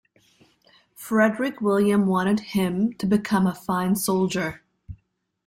Frederick William wanted him to become a fine soldier.